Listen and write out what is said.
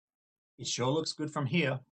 It sure looks good from here.